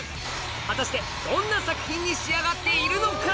果たしてどんな作品に仕上がっているのか？